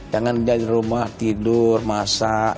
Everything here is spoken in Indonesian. jangan dia di rumah tidur masak